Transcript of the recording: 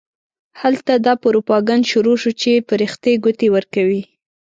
هلته دا پروپاګند شروع شو چې فرښتې ګوتې ورکوي.